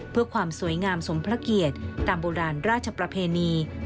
เพื่อความสวยงามสมพระเกียรติตามโบราณราชประเพณี